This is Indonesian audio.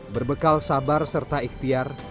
berbekal sabar serta ikhtiar